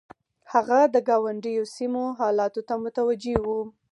هغه د ګاونډيو سيمو حالاتو ته متوجه و.